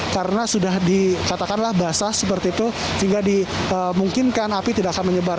karena sudah dikatakanlah basah seperti itu sehingga dimungkinkan api tidak akan menyebar